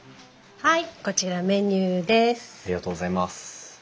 はい。